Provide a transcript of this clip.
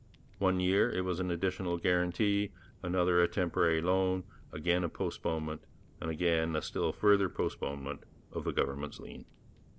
One year it was an additional guarantee, another a temporary loan, again a postponement, and again a still further postponement of the government's lien.